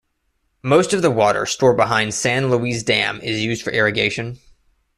Most of the water stored behind San Luis Dam is used for irrigation.